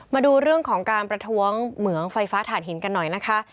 มาดูเรื่องของการประท้วงเหมืองไฟฟ้าถ่านหินกันหน่อยนะคะ